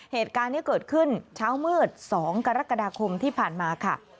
เหตุการณ์นี้เกิดขึ้นเช้ามืด๒กรกฎาคมที่ผ่านมาค่ะ